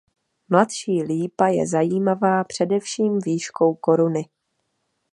Mladší lípa je zajímavá především výškou koruny.